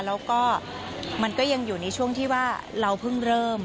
แล้วก็มันก็ยังอยู่ในช่วงที่ว่าเราเพิ่งเริ่ม